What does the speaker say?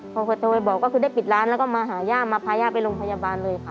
พอเขาโทรไปบอกก็คือได้ปิดร้านแล้วก็มาหาย่ามาพาย่าไปโรงพยาบาลเลยค่ะ